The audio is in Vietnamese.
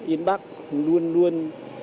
yên bắc luôn luôn